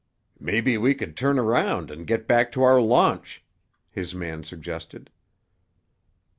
"Maybe we could turn around and get back to our launch," his man suggested.